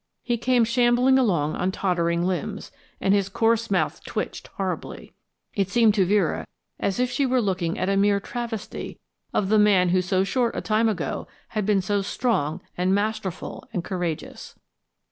He came shambling along on tottering limbs, and his coarse mouth twitched horribly. It seemed to Vera as if she were looking at a mere travesty of the man who so short a time ago had been so strong and masterful and courageous.